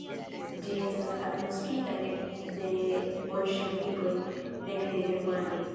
Ĝi estis agnoskita nek de bolŝevikoj, nek de germanoj.